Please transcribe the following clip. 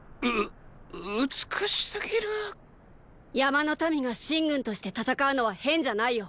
う美しすぎる山の民が秦軍として戦うのは変じゃないよ。